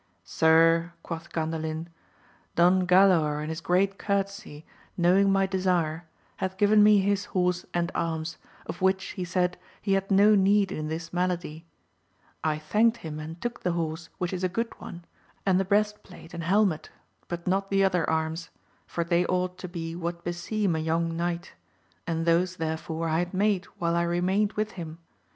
Sir, quoth Gandalin, Don Galaor in his great courtesy, knowing my desire, hath given me his horse andarms, of which, he said, he had no need in this malady ; I thanked him and took the horse, which is a good one, and the breast plate and helmet, but not the other arms ; for they ought to be what beseem a young knight ; and those, therefore, I had made while I re mained with him.